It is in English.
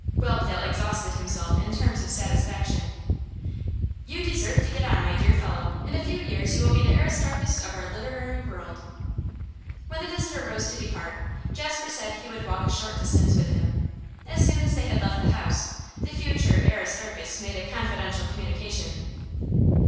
Whelpdale exhausted himself in terms of satisfaction. 'You deserve to get on, my dear fellow. In a few years you will be the Aristarchus of our literary world.' When the visitor rose to depart, Jasper said he would walk a short distance with him. As soon as they had left the house, the future Aristarchus made a confidential communication.